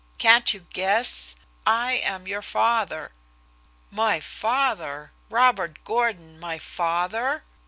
Can't you guess? I am your father!" My father! Robert Gordon my father!